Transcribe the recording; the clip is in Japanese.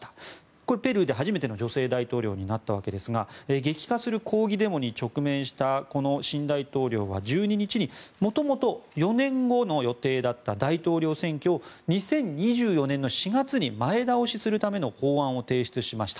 これ、ペルーで初めての女性大統領になったわけですが激化する抗議デモに直面した新大統領は１２日に元々４年後の予定だった大統領選挙を２０２４年の４月に前倒しするための法案を提出しました。